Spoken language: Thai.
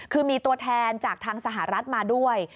คือมีตัวแทนจากทางสหรัฐมาด้วย